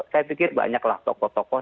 saya pikir banyaklah tokoh tokoh